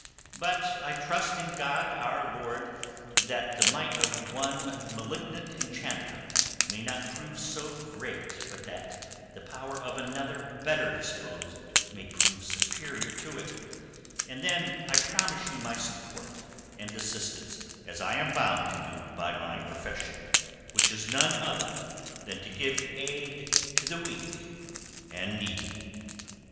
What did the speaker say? But I trust in God our Lord that the might of one malignant enchanter may not prove so great but that the power of another better disposed may prove superior to it, and then I promise you my support and assistance, as I am bound to do by my profession, which is none other than to give aid to the weak and needy."